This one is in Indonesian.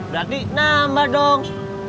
berarti nambah dong